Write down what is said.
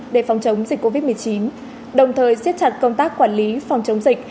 để phòng chống dịch covid một mươi chín đồng thời siết chặt công tác quản lý phòng chống dịch